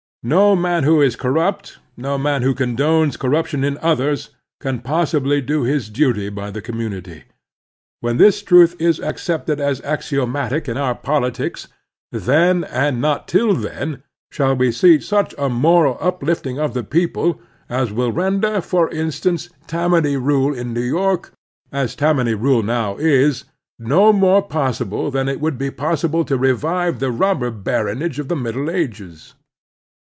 No man who is corrupt, no man who condones corruption in others, can possibly do his duty by the community. When this truth is accepted as axiomatic in oxu" politics, then, and not till then, shall we see such a moral uplifting of the people as will render, for instance. Tarn Commandments in Politics las many rule in New York, as Tammany rule now is, no more possible than it wotild be possible to revive the robber baronage of the middle ages.